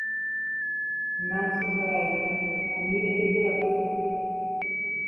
Na che karai, ani rejepy'apy.